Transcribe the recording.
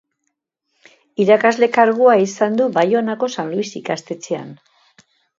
Irakasle kargua izan du Baionako San Luis ikastetxean